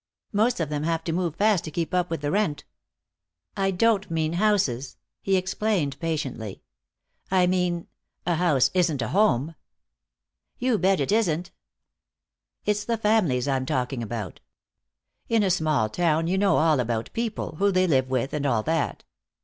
Most of them have to move fast to keep up with the rent." "I don't mean houses," he explained, patiently. "I mean A house isn't a home." "You bet it isn't." "It's the families I'm talking about. In a small town you know all about people, who they live with, and all that."